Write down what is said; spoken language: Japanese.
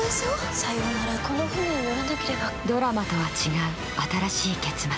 さよなら、この船に乗らなけドラマとは違う新しい結末。